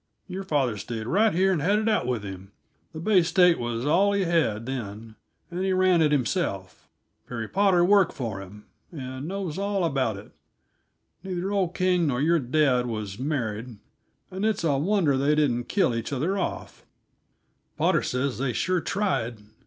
Your father stayed right here and had it out with him. The Bay State was all he had, then, and he ran it himself. Perry Potter worked for him, and knows all about it. Neither old King nor your dad was married, and it's a wonder they didn't kill each other off Potter says they sure tried.